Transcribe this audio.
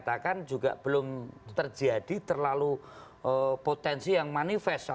katakan juga belum terjadi terlalu potensi yang manifest